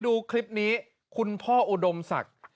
ดูคลิปนี้คุณพ่ออุดมศักดิ์